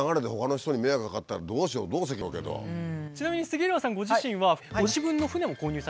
ちなみに杉浦さんご自身はご自分の船を購入されたと。